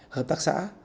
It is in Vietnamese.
hợp tác xã